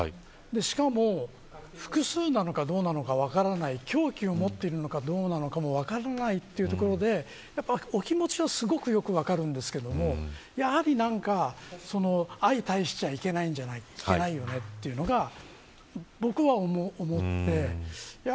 しかも複数なのかどうなのか分からない凶器を持っているのか分からないというところでお気持ちはよく分かるんですけどやはり相対しちゃいけないんじゃないかというのが僕は思って。